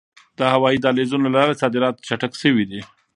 د هوایي دهلیزونو له لارې صادرات چټک شوي دي.